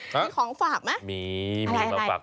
มีของฝากมั้ยอะไรมีมาฝากตลอด